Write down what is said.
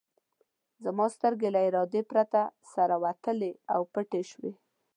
زما سترګې له ارادې پرته سره ورتللې او پټې شوې.